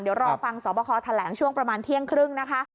เดี๋ยวรอฟังสอบคอแถลงช่วงประมาณเที่ยงครึ่งนะคะ